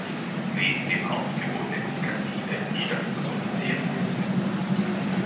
Neben dem Hauptgebäude mit Kantine stand das Offizierskasino.